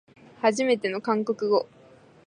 はじめての韓国語